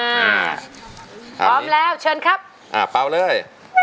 พร้อมแล้วเชิญครับอ่าเป่าเลย